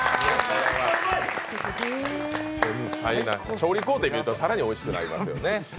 調理工程見ると更においしく見えますよね。